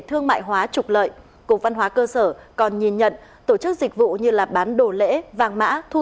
thương mại hóa trục lợi cục văn hóa cơ sở còn nhìn nhận tổ chức dịch vụ như bán đồ lễ vàng mã thu